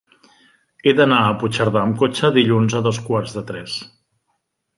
He d'anar a Puigcerdà amb cotxe dilluns a dos quarts de tres.